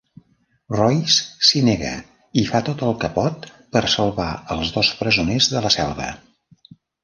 Royce s'hi nega i fa tot el que pot per salvar els dos "presoners" de la selva.